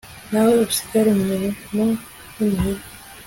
nawe usigare mu mirimo y'imuhira